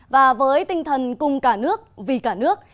và với tinh thần cùng cả nước vì cả nước